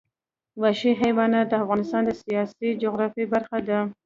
وحشي حیوانات د افغانستان د سیاسي جغرافیه برخه ده.